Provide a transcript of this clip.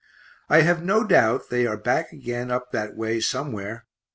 I have no doubt they are back again up that way somewhere.